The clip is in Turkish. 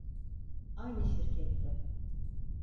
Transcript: Aynı şirkette